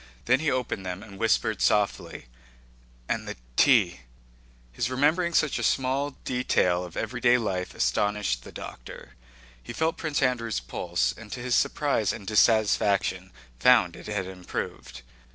Then he opened them and whispered softly: "And the tea?" His remembering such a small detail of everyday life astonished the doctor. He felt Prince Andrew's pulse, and to his surprise and dissatisfaction found it had improved.